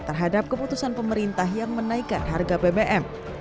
terhadap keputusan pemerintah yang menaikkan harga bbm